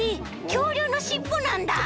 きょうりゅうのしっぽなんだ。